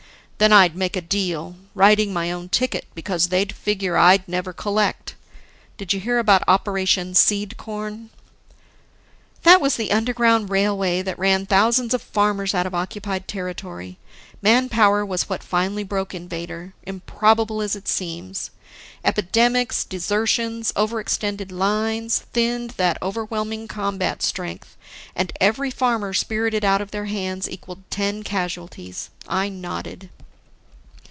Then I'd make a deal, writing my own ticket because they'd figure I'd never collect. Did you hear about Operation Seed corn?" That was the underground railway that ran thousands of farmers out of occupied territory. Manpower was what finally broke Invader, improbable as it seems. Epidemics, desertions, over extended lines, thinned that overwhelming combat strength; and every farmer spirited out of their hands equalled ten casualties. I nodded.